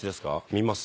「見ます」